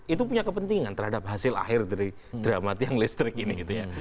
itu punya kepentingan terhadap hasil akhir dari dramat yang listrik ini